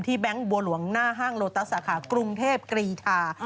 แบงค์บัวหลวงหน้าห้างโลตัสสาขากรุงเทพกรีธา